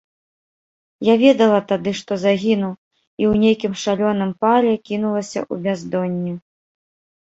Я ведала тады, што загіну, і ў нейкім шалёным пале кінулася ў бяздонне.